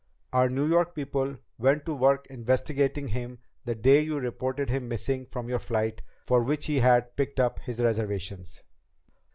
Our New York people went to work investigating him the day you reported him missing from your flight for which he had picked up his reservations.